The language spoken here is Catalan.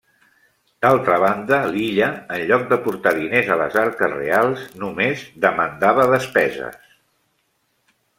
D'altra banda l'illa en lloc d'aportar diners a les arques reals, només demandava despeses.